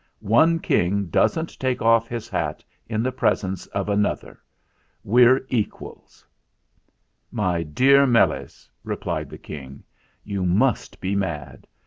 "One king doesn't take off his hat in the presence of an other. We're equals." "My dear Meles," replied the King. "You must be mad.